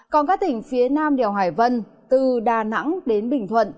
còn các tỉnh phía nam đèo hải vân từ đà nẵng đến bình thuận